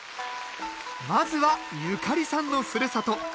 まずはゆかりさんのふるさと